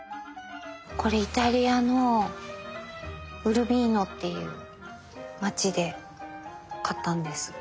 これイタリアのウルビーノっていう街で買ったんです。